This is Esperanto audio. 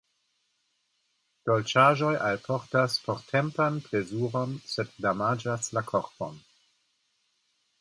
Dolĉaĵoj alportas portempan plezuron, sed damaĝas la korpon.